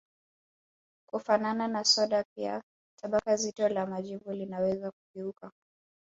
Kufanana na soda pia tabaka zito la majivu linaweza kugeuka